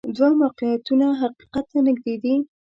دوه موقعیتونه حقیقت ته نږدې دي.